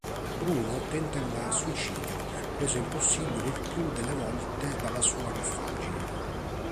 Bruno tenta il suicidio, reso impossibile il più delle volte dalla sua goffaggine.